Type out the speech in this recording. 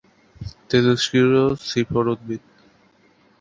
তারার অভ্যন্তরে যেখানে প্রচুর হিলিয়াম রয়েছে সেখানে এই বিক্রিয়া ঘটে।